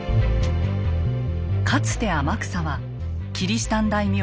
かつて天草はキリシタン大名